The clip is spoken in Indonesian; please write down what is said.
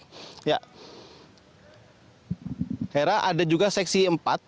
kira kira ada juga seksi empat